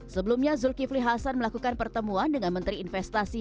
sebelumnya zulkifli hasan melakukan pertemuan dengan menteri investasi